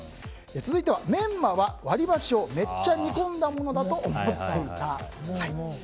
続いてはメンマは割り箸をめっちゃ煮込んだものだと思っていた。